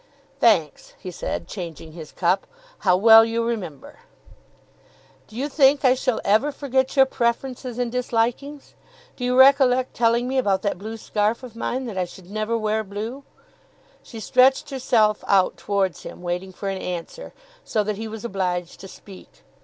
"Thanks," he said, changing his cup. "How well you remember!" "Do you think I shall ever forget your preferences and dislikings? Do you recollect telling me about that blue scarf of mine, that I should never wear blue?" She stretched herself out towards him, waiting for an answer, so that he was obliged to speak.